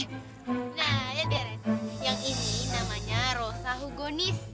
nah ya biar ren yang ini namanya rosa hugonis